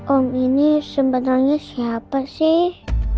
om ini sebenarnya siapa sih